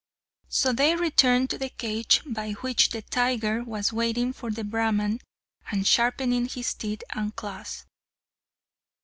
So they returned to the cage, by which the tiger was waiting for the Brahman, and sharpening his teeth and claws.